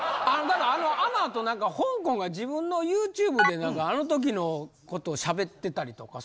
あの後ほんこんが自分のＹｏｕＴｕｂｅであの時のことをしゃべってたりとか。